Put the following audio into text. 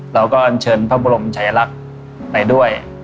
เราก็เชิญพระบรมชายลักษณ์ไปด้วย